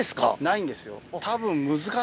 ないんですよ。